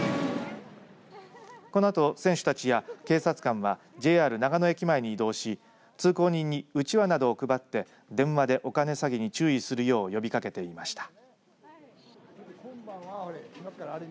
このあと選手たちや警察官はＪＲ長野駅前に移動し通行人に、うちわなどを配って電話でお金詐欺に注意するよう呼びかけていました。